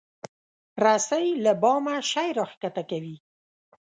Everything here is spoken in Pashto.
رسۍ له بامه شی راکښته کوي.